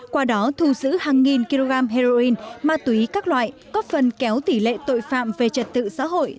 qua đó thu giữ hàng nghìn kg heroin ma túy các loại góp phần kéo tỷ lệ tội phạm về trật tự xã hội